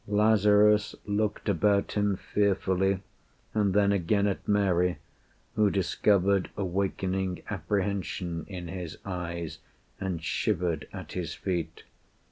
Lazarus looked about him fearfully, And then again at Mary, who discovered Awakening apprehension in his eyes, And shivered at his feet.